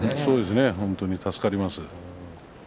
本当に助かります。